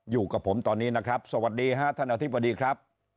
อยู่กับผมตอนนี้นะครับสวัสดีฮะท่านอธิบดีครับ